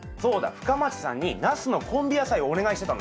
深町さんにナスのコンビ野菜をお願いしてたのよ。